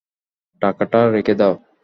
টাকাটা রেখে দাও।